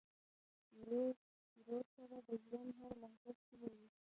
ورور سره د ژوند هره لحظه ښکلي وي.